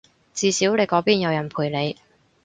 至少你嗰邊有人陪你